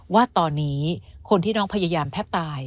ว่าตอนนี้คนที่น้องพยายามแทบตาย